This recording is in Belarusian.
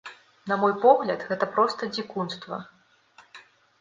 На мой погляд, гэта проста дзікунства.